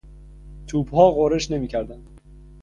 توپها غرش نمیکردند.